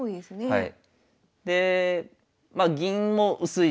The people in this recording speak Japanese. はい。